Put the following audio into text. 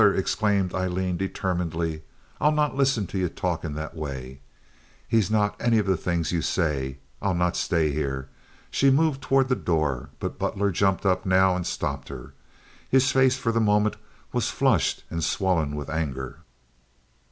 exclaimed Aileen, determinedly. "I'll not listen to you talking that way. He's not any of the things that you say. I'll not stay here." She moved toward the door; but Butler jumped up now and stopped her. His face for the moment was flushed and swollen with anger.